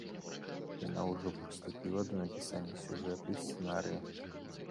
Яна ўжо прыступіла да напісання сюжэту і сцэнарыя.